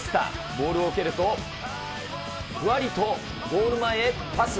ボールを受けると、ふわりとゴール前へパス。